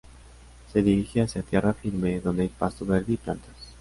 Se dirige hacia tierra firme donde hay pasto verde y plantas.